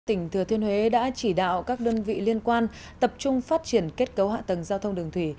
tỉnh thừa thiên huế đã chỉ đạo các đơn vị liên quan tập trung phát triển kết cấu hạ tầng giao thông đường thủy